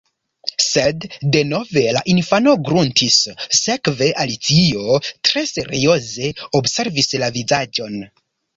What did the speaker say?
Sed denove la infano gruntis. Sekve Alicio tre serioze observis la vizaĝon.